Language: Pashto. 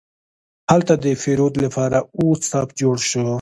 هلته د پیرود لپاره اوږد صف جوړ شو.